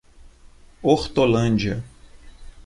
Hortolândia